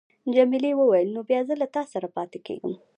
جميلې وويل: نو بیا زه له تا سره پاتېږم.